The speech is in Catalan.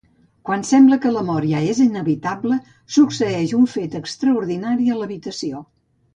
Quan sembla que la mort ja és inevitable, succeeix un fet extraordinari a l'habitació.